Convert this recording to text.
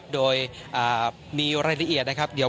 โดยมีรายละเอียด